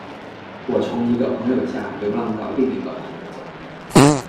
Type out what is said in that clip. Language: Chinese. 我从一个朋友家流浪到另一个朋友家。